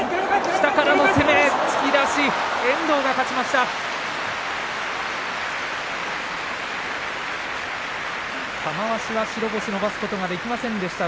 下からの攻め遠藤が勝ちました。